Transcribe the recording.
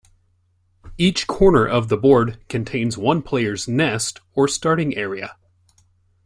Each corner of the board contains one player's "nest", or starting area.